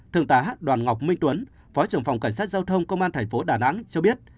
thường tà hát đoàn ngọc minh tuấn phó trưởng phòng cảnh sát giao thông công an thành phố đà nẵng cho biết